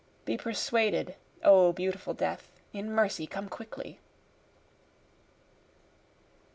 be persuaded O beautiful death! In mercy come quickly.)